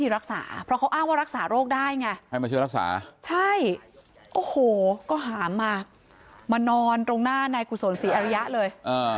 เราตามมามานอนตรงหน้านายกุศลศรีอริยะเลย